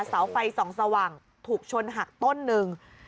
เสาไฟส่องสว่างถูกชนหักต้นหนึ่ง